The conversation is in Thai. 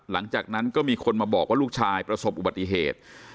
หลังจากนั้นก็มีคนมาบอกว่าลูกชายประสบอุบัติเหตุ